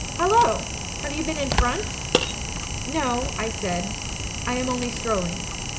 'Hallo! Have you been in front ?' "'No,' I said; 'I am only strolling.